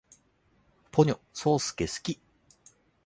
ポニョ，そーすけ，好き